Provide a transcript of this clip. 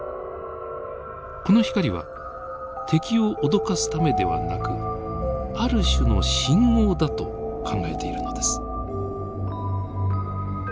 この光は敵を脅かすためではなくある種の信号だと考えているのです。